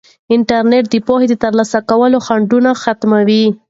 انټرنیټ د پوهې د ترلاسه کولو خنډونه ختموي.